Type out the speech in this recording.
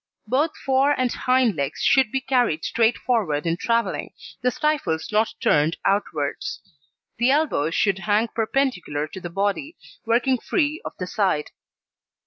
Both fore and hind legs should be carried straight forward in travelling, the stifles not turned outwards. The elbows should hang perpendicular to the body, working free of the side.